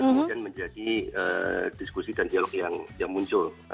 kemudian menjadi diskusi dan dialog yang muncul